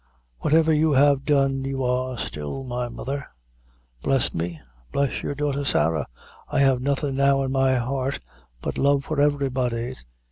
Whatever you have done, you are still my mother. Bless me bless your daughter Sarah, I have nothing now in my heart but love for everybody.